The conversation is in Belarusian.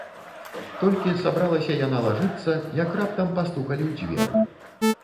Толькі сабралася яна лажыцца, як раптам пастукалі ў дзверы.